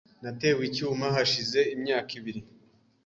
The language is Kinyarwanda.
Natewe icyuma hashize imyaka ibiri .